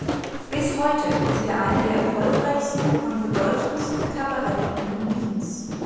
Bis heute ist er eine der erfolgreichsten und bedeutendsten Kabarettbühnen Wiens.